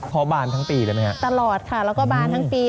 เพราะบานทั้งปีเลยไหมฮะตลอดค่ะแล้วก็บานทั้งปี